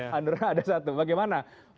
handurah ada satu bagaimana